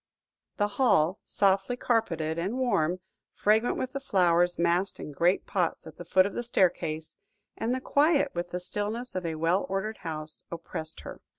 The hall, softly carpeted and warm, fragrant with the flowers massed in great pots at the foot of the staircase, and quiet with the stillness of a well ordered house, oppressed her.